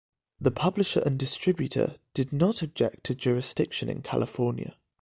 The publisher and the distributor did not object to jurisdiction in California.